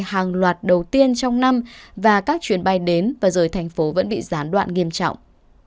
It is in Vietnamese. hàng loạt đầu tiên trong năm và các chuyến bay đến và rời thành phố vẫn bị gián đoạn nghiêm trọng